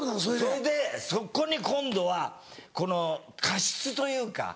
そんでそこに今度はこの加湿というか。